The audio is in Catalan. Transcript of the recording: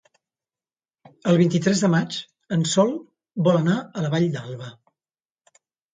El vint-i-tres de maig en Sol vol anar a la Vall d'Alba.